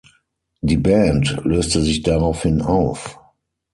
Die Band löste sich daraufhin auf.